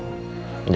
aku jelasin ya ya